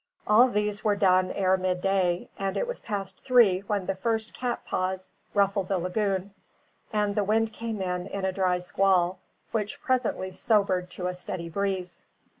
All these were done ere midday; and it was past three when the first cat's paw ruffled the lagoon, and the wind came in a dry squall, which presently sobered to a steady breeze.